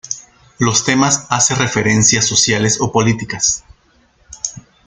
Los temas hace referencias sociales o políticas.